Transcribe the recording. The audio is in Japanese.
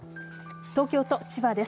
東京と千葉です。